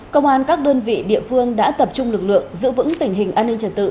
công an các đơn vị địa phương đã tập trung lực lượng giữ vững tình hình an ninh trật tự